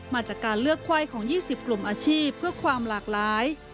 มาจากการเลือกไขว้ของ๒๐กลุ่มอาชีพเพื่อความหลากหลาย